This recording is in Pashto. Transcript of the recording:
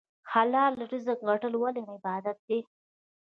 حلال رزق ګټل ولې عبادت دی؟